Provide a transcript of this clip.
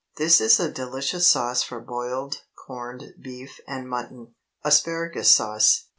This is a delicious sauce for boiled corned beef and mutton. ASPARAGUS SAUCE.